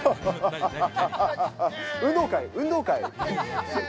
運動会。